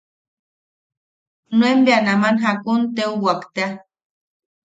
Nuen bea naman jakun teuwak tea.